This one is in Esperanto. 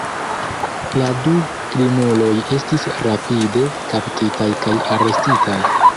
La du krimuloj estis rapide kaptitaj kaj arestitaj.